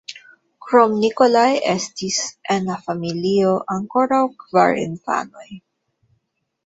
Krom Nikolaj estis en la familio ankoraŭ kvar infanoj.